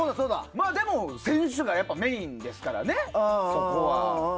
でも選手がメインですからねそこは。